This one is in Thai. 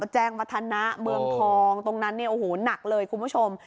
แจ้งวัฒนะเมืองทองตรงนั้นเนี่ยโอ้โหหนักเลยคุณผู้ชม